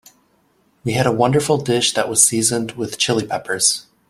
We had a wonderful dish that was seasoned with Chili Peppers.